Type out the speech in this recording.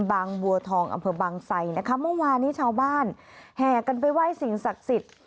บางบัวทองอำเภอบางไซนะคะเมื่อวานนี้ชาวบ้านแห่กันไปไหว้สิ่งศักดิ์สิทธิ์